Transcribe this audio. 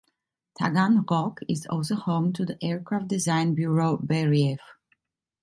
Taganrog is also home to the aircraft design bureau Beriev.